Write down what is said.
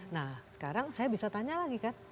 nah sekarang saya bisa tanya lagi kan